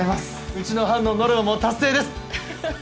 うちの班のノルマも達成ですはははっ。